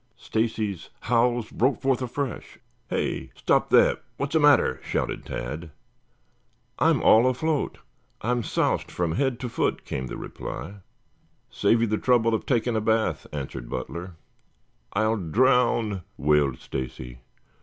Stacy's howls broke forth afresh. "Hey! Stop that. What's the matter?" shouted Tad. "I'm all afloat. I'm soused from head to foot," came the reply. "Save you the trouble of taking a bath," answered Butler. "I'll drown," wailed Stacy.